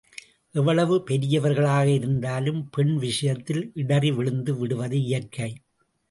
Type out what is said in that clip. எவ்வளவு பெரியவர்களாக இருந்தாலும் பெண் விஷயத்தில் இடறி விழுந்து விடுவது இயற்கை.